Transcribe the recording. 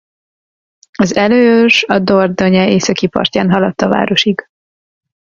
Az előőrs a Dordogne északi partján haladt a városig.